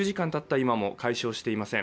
今も解消していません。